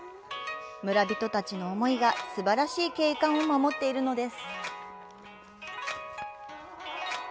村人たちの思いが、すばらしい景観を守っているのです。